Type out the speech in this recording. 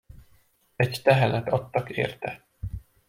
Egy tehenet adtak érte.